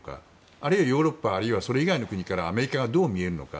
あるいはヨーロッパそれ以外の国からアメリカがどう見えるのか。